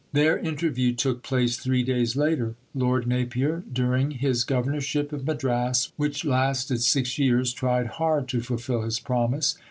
Their interview took place three days later. Lord Napier, during his governorship of Madras, which lasted six years, tried hard to fulfil his promise.